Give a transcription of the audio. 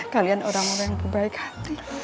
kalian orang orang yang berbaik hati